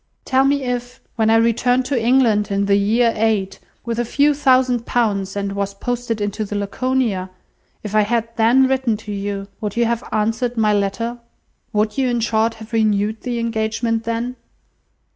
Tell me if, when I returned to England in the year eight, with a few thousand pounds, and was posted into the Laconia, if I had then written to you, would you have answered my letter? Would you, in short, have renewed the engagement then?"